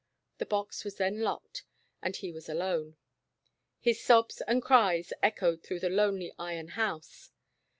The box was then locked, and he was alone. His sobs and cries echoed through the lonely iron house.